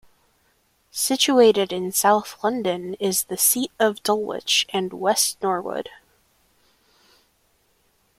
Situated in south London is the seat of Dulwich and West Norwood.